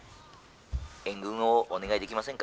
「援軍をお願いできませんか。